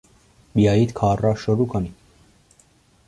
بیایید کار را شروع کنیم!